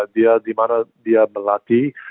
dia di mana dia melati